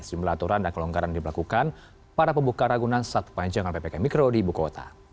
sejumlah aturan dan kelonggaran diberlakukan pada pembuka ragunan saat perpanjangan ppkm mikro di ibu kota